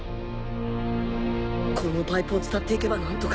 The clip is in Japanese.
このパイプをつたっていけば何とか